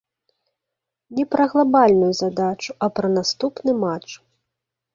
Не пра глабальную задачу, а пра наступны матч.